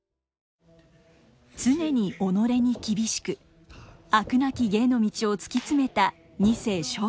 常に己に厳しく飽くなき芸の道を突き詰めた二世松緑。